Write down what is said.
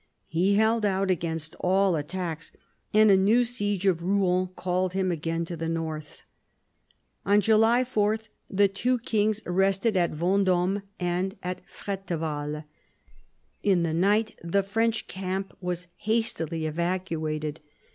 He held out against all attacks, and a new siege of Rouen called him again to the north. On July 4 the two kings rested at Venddme and at Freteval. In the night the French camp was hastily evacuated.